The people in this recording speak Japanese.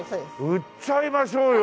売っちゃいましょうよ！